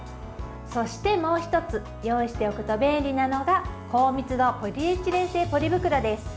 そして、もう１つ用意しておくと便利なのが高密度ポリエチレン製ポリ袋です。